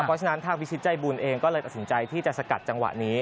เพราะฉะนั้นทางพิชิตใจบุญเองก็เลยตัดสินใจที่จะสกัดจังหวะนี้